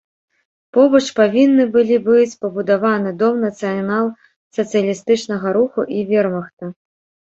Побач павінны былі быць пабудаваны дом нацыянал-сацыялістычнага руху і вермахта.